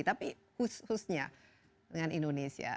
tapi khususnya dengan indonesia